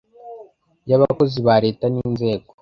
y abakozi ba Leta n inzego